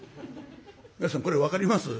皆さんこれ分かります？